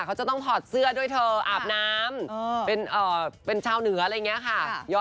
เขาจะต้องถอดเสื้อด้วยเธออาบน้ำเป็นชาวเหนืออะไรอย่างนี้ค่ะ